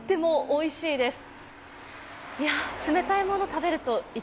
おいしいです。